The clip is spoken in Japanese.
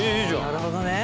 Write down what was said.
なるほどね。